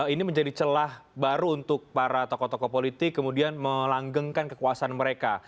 ini menjadi celah baru untuk para tokoh tokoh politik kemudian melanggengkan kekuasaan mereka